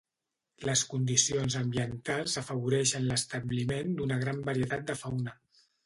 Les condicions ambientals afavoreixen l'establiment d'una gran varietat de fauna.